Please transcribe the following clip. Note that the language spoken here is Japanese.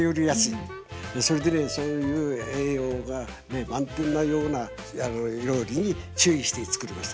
それでそういう栄養が満点なような料理に注意して作りました。